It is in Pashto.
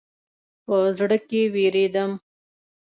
په زړه کې وېرېدم.